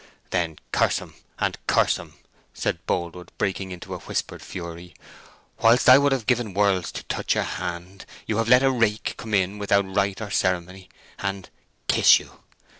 "Then curse him; and curse him!" said Boldwood, breaking into a whispered fury. "Whilst I would have given worlds to touch your hand, you have let a rake come in without right or ceremony and—kiss you!